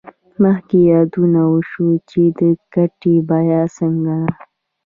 مخکې یادونه وشوه چې د ګټې بیه څنګه ده